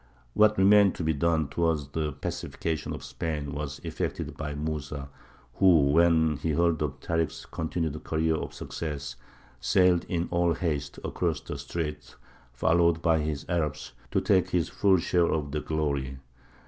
What remained to be done towards the pacification of Spain was effected by Mūsa, who, when he heard of Tārik's continued career of success, sailed in all haste across the Straits, followed by his Arabs, to take his full share of the glory.